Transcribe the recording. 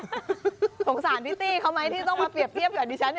ผมสิมีสารพริตตี้เขาไหมที่ต้องมาเปรียบเทียบกับดิฉันเนี่ย